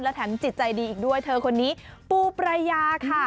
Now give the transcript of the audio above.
แถมจิตใจดีอีกด้วยเธอคนนี้ปูปรายาค่ะ